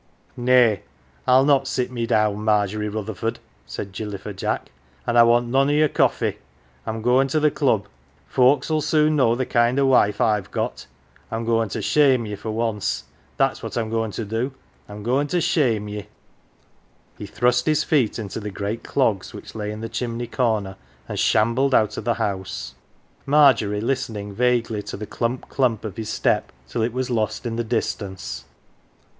"Nay, I'll not sit me down, Margery Rutherford,"" said Gilly Per Jack, "an' I want none o' yer coffee. I'm goin' to the Club. Folks 'ull soon know the kind o' wife I've got. Tm goin' to shame ye for once that's what I'm goin' to do I'm goin' to shame J e " He thrust his feet into the great clogs which lay in the chimney corner and shambled out of the house, Margery listening vaguely to the clump clump of his step till it was lost in the distance.